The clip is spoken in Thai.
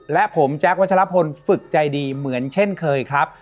และผมแจ๊ควัชลพลฝึกใจดีเหมือนเช่นเคยครับ